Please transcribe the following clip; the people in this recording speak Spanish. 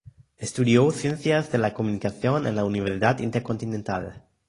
Estudió Ciencias de la Comunicación en la Universidad Intercontinental.